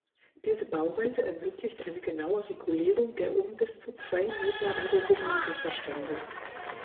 Diese Bauweise ermöglicht eine genaue Regulierung der um bis zu zwei Meter angehobenen Wasserstände.